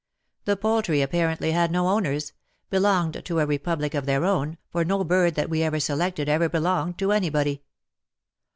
The poultry apparently had no owners — belonged to a republic of their own, for no bird that we ever selected ever belonged to anybody.